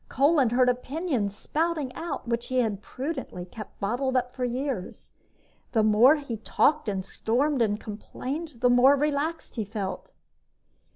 Kolin heard opinions spouting out which he had prudently kept bottled up for years. The more he talked and stormed and complained, the more relaxed he felt.